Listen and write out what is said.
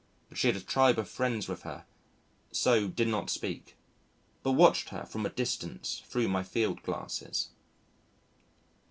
But she had a tribe of friends with her, so did not speak, but watched her from a distance through my field glasses.